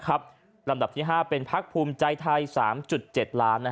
ลำดับที่๕เป็นพักภูมิใจไทย๓๗ล้าน